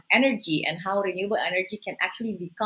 energi dan bagaimana energi renubah bisa